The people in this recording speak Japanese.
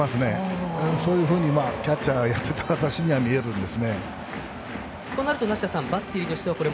そういうふうにキャッチャーがやっているように私には見えるんです。